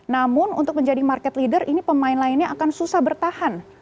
namun untuk menjadi market leader ini pemain lainnya akan susah bertahan